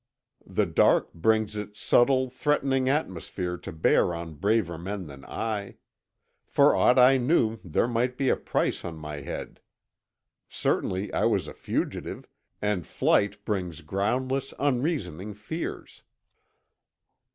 The dark brings its subtle, threatening atmosphere to bear on braver men than I. For aught I knew there might be a price on my head. Certainly I was a fugitive, and flight breeds groundless, unreasoning fears.